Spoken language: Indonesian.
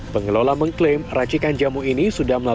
pengelola mengklaim racikan jamu ini sudah melalui